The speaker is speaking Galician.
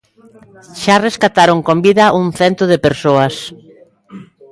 Xa rescataron con vida un cento de persoas.